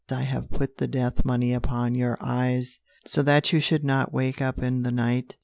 I have put the death money upon your eyes, So that you should not wake up in the night.